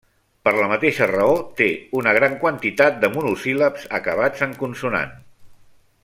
Per la mateixa raó té una gran quantitat de monosíl·labs acabats en consonant.